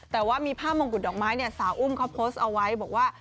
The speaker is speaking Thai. แต่ว่ามีภาพมงกุฎดอกไม้เนี่ยสาวอุ้มเขาโพสต์เอาไว้บอกว่า